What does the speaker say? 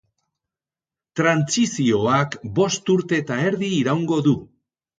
Trantsizioak bost urte eta erdi iraungo du.